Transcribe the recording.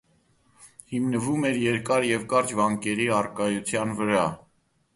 Հիմնվում էր երկար և կարճ վանկերի առկայության վրա։